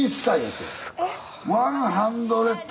ワンハンドレッド。